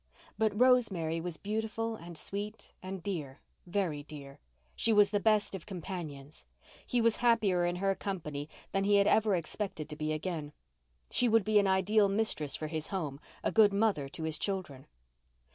But Rosemary was beautiful and sweet and dear—very dear. She was the best of companions. He was happier in her company than he had ever expected to be again. She would be an ideal mistress for his home, a good mother to his children.